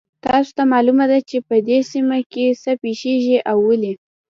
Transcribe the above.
تاسو ته معلومه ده چې په دې سیمه کې څه پېښیږي او ولې